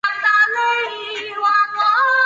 出身于山形县上山市。